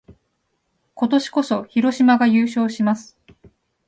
今年こそ、広島が優勝します！